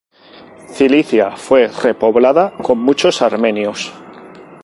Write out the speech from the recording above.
Cilicia fue repoblada con muchos armenios.